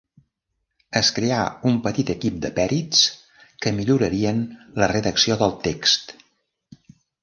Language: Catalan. Es creà un petit equip de pèrits que millorarien la redacció del text.